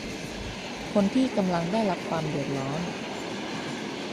คนที่กำลังได้รับความเดือดร้อน